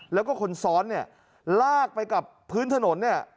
แล้วก็คนซ้อนเนี่ยลากไปกับพื้นถนนเนี่ย